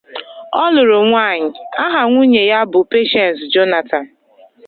O luru nwanyi; aha nwunye ya bu Patience Jonathan.